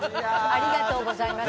ありがとうございます。